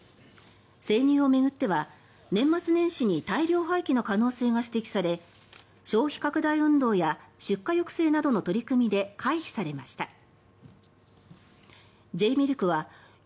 生乳を巡っては、年末年始に大量廃棄の可能性が指摘され消費拡大運動や出荷抑制などの取り組みで回避されました。